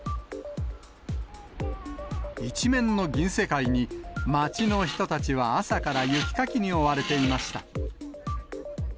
一面の銀世界に町の人たちは朝から雪かきに追われていました。